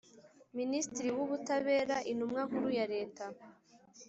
Minisitiri w Ubutabera Intumwa Nkuru ya leta